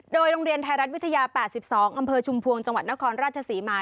โดยโรงเรียนไทยรัฐวิทยา๘๒อำเภอชุมพวงจังหวัดนครราชศรีมา